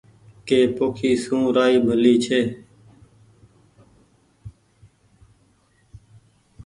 ڪي پوکي سون رآئي ڀلي ڇي